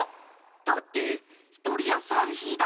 だってひとりじゃさびしいだろ！